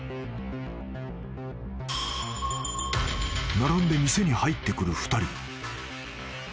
［並んで店に入ってくる２人］